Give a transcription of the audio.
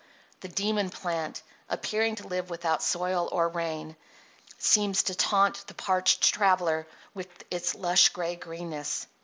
The demon plant, appearing to live without soil or rain, seems to taunt the parched traveller with its lush grey greenness.